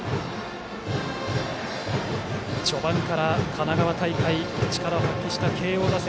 序盤から神奈川大会力を発揮した慶応打線。